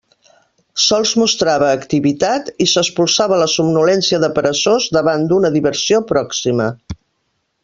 Sols mostrava activitat i s'espolsava la somnolència de peresós davant d'una diversió pròxima.